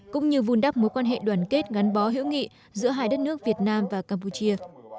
cũng như vun đắp mối quan hệ đoàn kết gắn bó hữu nghị giữa hai đất nước việt nam và campuchia